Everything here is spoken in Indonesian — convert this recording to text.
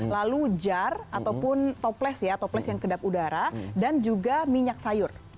lalu jar ataupun toples ya toples yang kedap udara dan juga minyak sayur